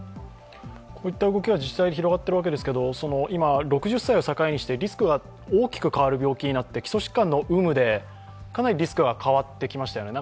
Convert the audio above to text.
こういった動きが自治体に広がっているわけですけれども今、６０歳を境にしてリスクが大きく変わる病気になって、基礎疾患の有無でかなりリスクが変わってきましたよね。